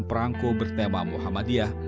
perangko bertema muhammadiyah